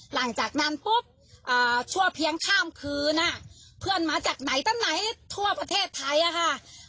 หลังจากนั้นปุ๊บชั่วเพียงข้ามคืนเพื่อนมาจากไหนตั้งไหนทั่วประเทศไทยอะค่ะ